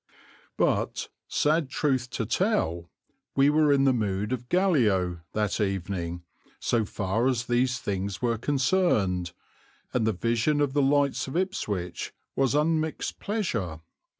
But, sad truth to tell, we were in the mood of Gallio that evening, so far as these things were concerned, and the vision of the lights of Ipswich was unmixed pleasure.